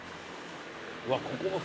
うわここも。